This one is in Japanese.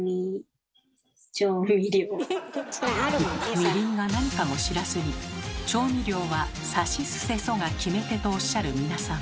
みりんが何かも知らずに調味料は「さしすせそ」が決め手とおっしゃる皆様。